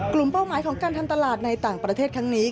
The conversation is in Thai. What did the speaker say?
เป้าหมายของการทำตลาดในต่างประเทศครั้งนี้